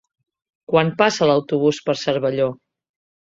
Quan passa l'autobús per Cervelló?